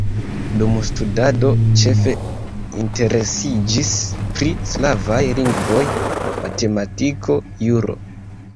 Dum studado ĉefe interesiĝis pri slavaj lingvoj, matematiko, juro.